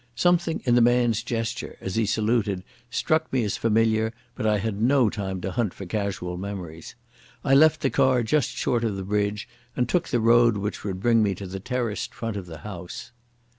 Something in the man's gesture, as he saluted, struck me as familiar, but I had no time to hunt for casual memories. I left the car just short of the bridge, and took the road which would bring me to the terraced front of the house.